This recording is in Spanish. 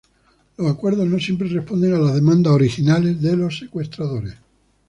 Los acuerdos no siempre responden a las demandas originales de los secuestradores.